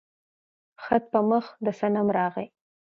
خط په مخ د صنم راغى